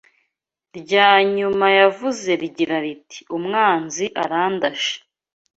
rya nyuma yavuze rigira riti umwanzi arandashe